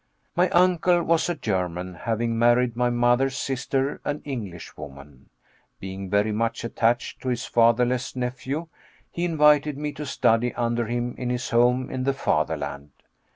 My uncle was a German, having married my mother's sister, an Englishwoman. Being very much attached to his fatherless nephew, he invited me to study under him in his home in the fatherland.